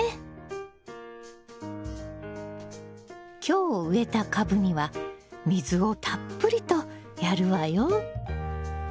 今日植えた株には水をたっぷりとやるわよ。